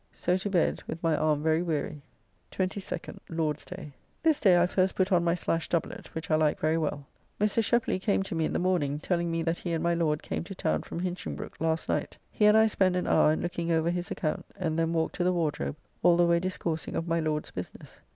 So to bed, with my arm very weary. 22nd (Lord's day). This day I first put on my slasht doublet, which I like very well. Mr. Shepley came to me in the morning, telling me that he and my Lord came to town from Hinchinbroke last night. He and I spend an hour in looking over his account, and then walked to the Wardrobe, all the way discoursing of my Lord's business.